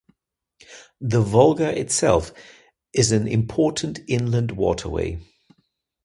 The Volga itself is an important inland waterway.